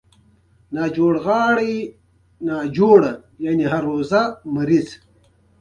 ایا زه باید ښاروالۍ ته لاړ شم؟